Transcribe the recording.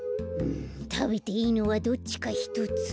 うんたべていいのはどっちかひとつ。